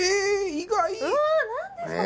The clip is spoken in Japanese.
意外うわ何ですか？